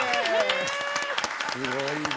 すごいな。